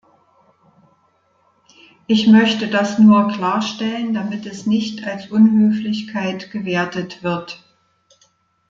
Ich möchte das nur klarstellen, damit es nicht als Unhöflichkeit gewertet wird.